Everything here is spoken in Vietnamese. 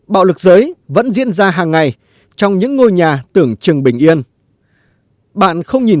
bạo lực giới vẫn diễn ra hàng ngày trong những ngôi nhà tưởng chừng bình yên bạn không nhìn